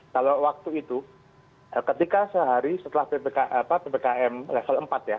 kalau waktu itu ketika sehari setelah ppkm level empat ya